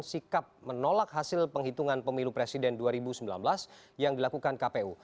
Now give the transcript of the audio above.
sikap menolak hasil penghitungan pemilu presiden dua ribu sembilan belas yang dilakukan kpu